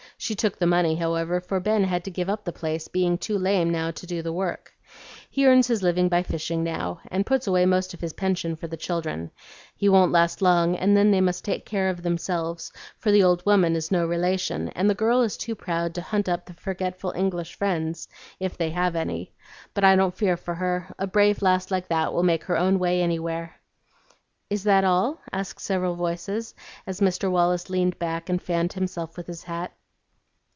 She took the money, however, for Ben had to give up the place, being too lame to do the work. He earns his living by fishing now, and puts away most of his pension for the children. He won't last long, and then they must take care of themselves; for the old woman is no relation, and the girl is too proud to hunt up the forgetful English friends, if they have any. But I don't fear for her; a brave lass like that will make her own way anywhere." "Is that all?" asked several voices, as Mr. Wallace leaned back and fanned himself with his hat.